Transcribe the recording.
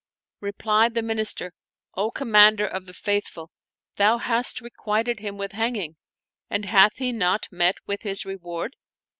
Replied the Min ister, " O Commander of the Faithful, thou hast requited him with hanging, and hath he not met with his reward